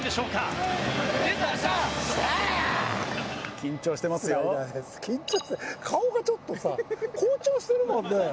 緊張して顔がちょっとさ紅潮してるもんね。